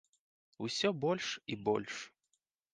Усё больш і больш.